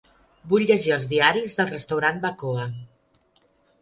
Vull llegir els diaris del restaurant Bacoa.